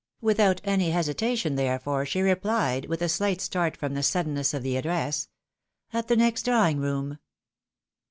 Without any hesitation, therefore, she replied, with a shght start from the suddenness of the address, " At the next drawing room."